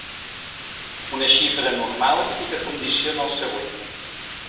Una xifra anormal i que condiciona el següent.